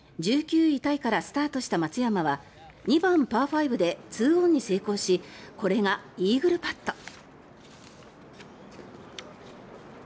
１９位タイからスタートした松山は２番、パー５で２オンに成功しこれがイーグルパット。